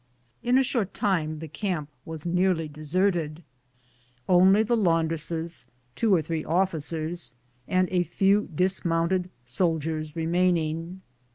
In a short time the camp was nearly deserted, only the laundresses, two or three officers, and a few dismounted soldiers remain ing.